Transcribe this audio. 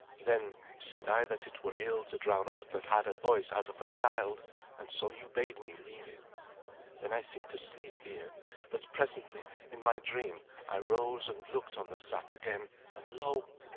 Then said I that it were ill to drown aught that had a voice as of a child, and so you bade me leave it. Then I seemed to sleep here; but presently in my dream I rose and looked on the sack again, and lo!